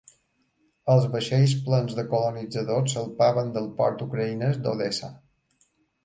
Els vaixells plens de colonitzadors salpaven del port ucraïnès d'Odessa.